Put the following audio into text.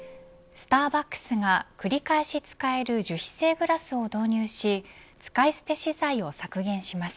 スターバックスが繰り返し使える樹脂製グラスを導入し使い捨て資材を削減します。